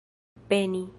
peni